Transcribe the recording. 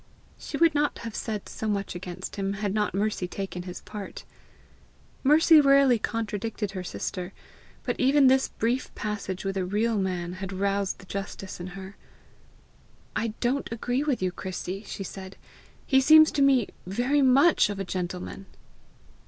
She would not have said so much against him, had not Mercy taken his part. Mercy rarely contradicted her sister, but even this brief passage with a real man had roused the justice in her. "I don't agree with you, Chrissy," she said. "He seems to me VERY MUCH of a gentleman!"